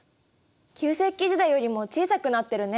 旧石器時代よりも小さくなってるね。